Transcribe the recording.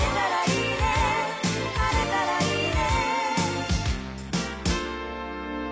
「晴れたらいいね」